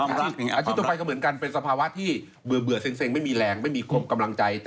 อาชีพต่อไปก็เหมือนกันเป็นสภาวะที่เบื่อเซ็งไม่มีแรงไม่มีครบกำลังใจ